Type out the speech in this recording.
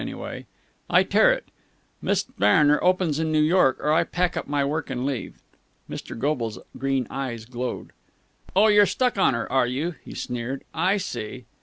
Anyway, I tear it. Miss Mariner opens in New York, or I pack up my work and leave." Mr. Goble's green eyes glowed. "Oh, you're stuck on her, are you?" he sneered. "I see!"